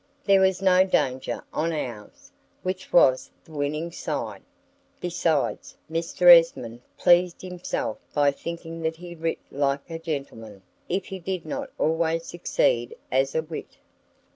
There was no danger on ours, which was the winning side; besides, Mr. Esmond pleased himself by thinking that he writ like a gentleman if he did not always succeed as a wit.